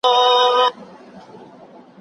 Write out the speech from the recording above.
چي پیر مو سو ملګری د شیطان څه به کوو؟